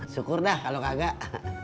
syukur dah kalau kagak